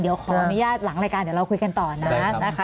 เดี๋ยวขออนุญาตหลังรายการเดี๋ยวเราคุยกันต่อนะนะคะ